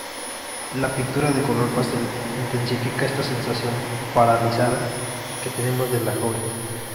La pintura de color pastel intensifica esta sensación paralizada que tenemos de la joven.